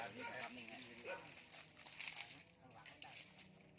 ดูมาครับ